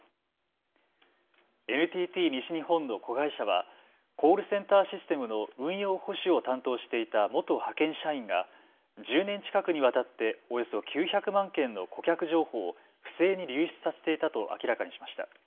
ＮＴＴ西日本の子会社はコールセンターシステムの運用保守を担当していた元派遣社員が１０年近くにわたっておよそ９００万件の顧客情報を不正に流出させていたと明らかにしました。